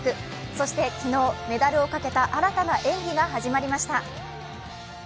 そして昨日、メダルをかけた新たな演技が始まりました。